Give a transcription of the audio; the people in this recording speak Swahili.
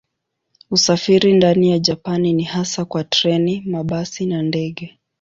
Usafiri ndani ya Japani ni hasa kwa treni, mabasi na ndege.